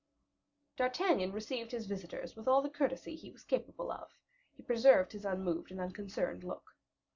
D'Artagnan received his visitors with all the courtesy he was capable of; he preserved his unmoved and unconcerned look.